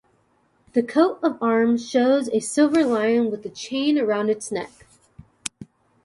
The coat of arms shows a silver lion with a chain around its neck.